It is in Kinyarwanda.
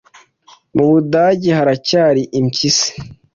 Mu Budage haracyari impyisi?